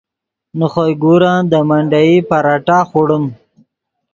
نے خوئے گورن دے منڈیئی پراٹھہ خوڑیم